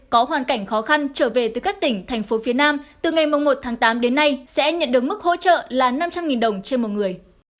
có hoàn cảnh khó khăn trở về từ các tỉnh thành phố phía nam từ ngày một tháng tám đến nay sẽ nhận được mức hỗ trợ là năm trăm linh đồng trên một người